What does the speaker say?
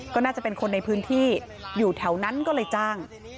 ก็น่าจะเป็นคนในพื้นที่อยู่แถวนั้นก็เลยจ้าง